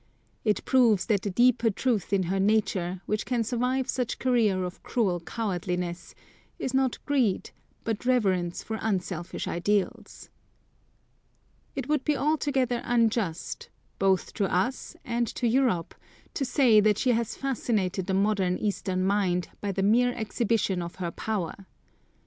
It proves that the deeper truth in her nature, which can survive such career of cruel cowardliness, is not greed, but reverence for unselfish ideals. It would be altogether unjust, both to us and to Europe, to say that she has fascinated the modern Eastern mind by the mere exhibition of her power.